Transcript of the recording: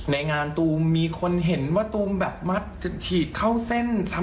ในงานตูมมีคนเห็นว่าตูมแบบมัดจะฉีดเข้าเส้น